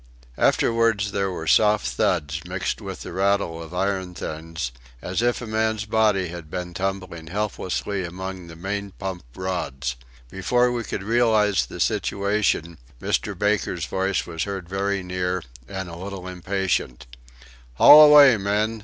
Afterwards there were soft thuds mixed with the rattle of iron things as if a man's body had been tumbling helplessly amongst the main pump rods. Before we could realise the situation, Mr. Baker's voice was heard very near and a little impatient: "Haul away, men!